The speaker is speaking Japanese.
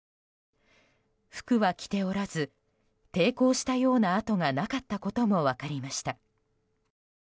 服は着ておらず抵抗したような痕がなかったことも分かりました。